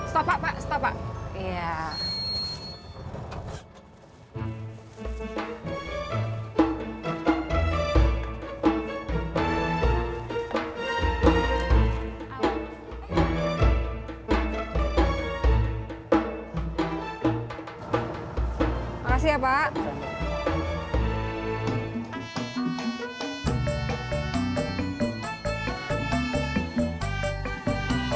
stop pak stop pak ya